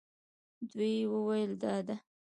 دوی وویل دا ده.